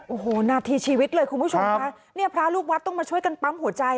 โอ้โหนาทีชีวิตเลยคุณผู้ชมค่ะเนี่ยพระลูกวัดต้องมาช่วยกันปั๊มหัวใจ